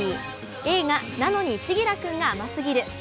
映画「なのに、千輝くんが甘すぎる」。